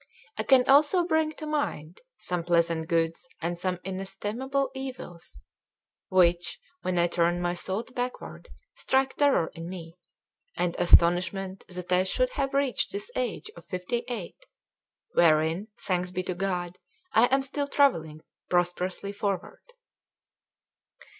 I can also bring to mind some pleasant goods and some inestimable evils, which, when I turn my thoughts backward, strike terror in me, and astonishment that I should have reached this age of fifty eight, wherein, thanks be to God, I am still travelling prosperously forward.